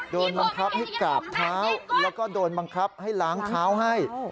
โดนบังคับให้กราบเท้าแล้วก็โดนบังคับให้ล้างเท้าให้